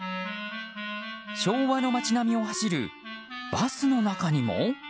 昭和の街並みを走るバスの中にも。